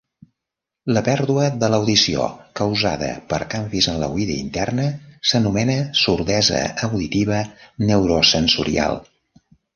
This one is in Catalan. La pèrdua de l'audició causada per canvis en l'oïda interna s'anomena sordesa auditiva neurosensorial.